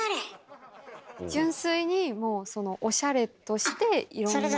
純粋にもうおしゃれとしていろんな。